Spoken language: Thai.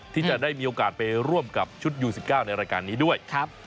ที่จะได้มีโอกาสไปร่วมกับชุดยู๑๙ในรายการนี้ด้วย